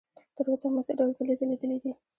تر اوسه مو څو ډوله کلیزې لیدلې دي؟